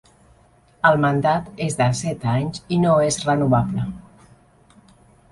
El mandat és de set anys i no és renovable.